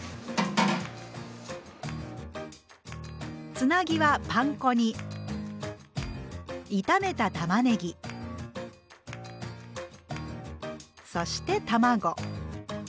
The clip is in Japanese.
つなぎはパン粉に炒めたたまねぎそして卵。